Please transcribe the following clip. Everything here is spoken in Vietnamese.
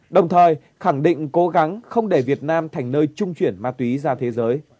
đồng thời khẳng định cố gắng không để việt nam thành nơi trung chuyển ma túy ra thế giới